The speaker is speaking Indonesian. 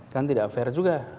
kan tidak fair juga